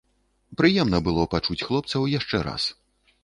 Прыемна было пачуць хлопцаў яшчэ раз.